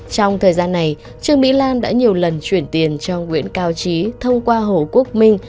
trong thời gian này trương mỹ lan đã nhiều lần chuyển tiền cho nguyễn cao trí thông qua hồ quốc minh